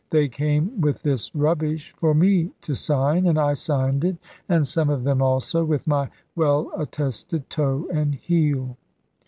They came with this rubbish for me to sign; and I signed it (and some of them also) with my well attested toe and heel.